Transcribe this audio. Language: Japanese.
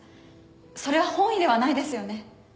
それは本意ではないですよね？